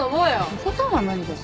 とことんは無理です。